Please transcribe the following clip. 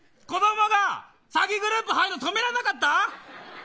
詐欺グループに入るの止められなかった。